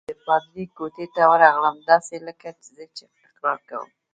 د پادري کوټې ته ورغلم، داسې لکه زه چې اقرار کوم.